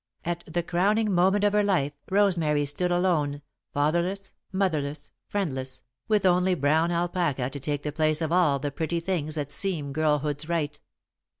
At the crowning moment of her life, Rosemary stood alone, fatherless, motherless, friendless, with only brown alpaca to take the place of all the pretty things that seem girlhood's right.